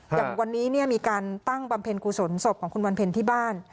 อย่างวันนี้มีการตั้งบำเพ็ญกุศลศพของคุณวันเพ็ญที่บ้าน